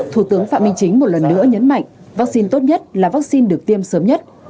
thủ tướng phạm minh chính một lần nữa nhấn mạnh vaccine tốt nhất là vaccine được tiêm sớm nhất